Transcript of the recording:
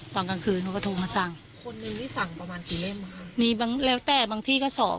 ตอนกลางคืนเขาก็โทรมาสั่งคนนึงนี่สั่งประมาณกี่เล่มค่ะมีบางแล้วแต่บางที่ก็สอบ